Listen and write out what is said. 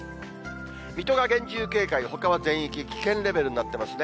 水戸が厳重警戒で、ほかは全域危険レベルになっていますね。